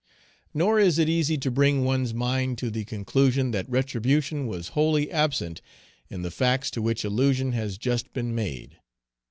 Nor is it easy to bring one's mind to the conclusion that retribution was wholly absent in the facts to which allusion has just been made.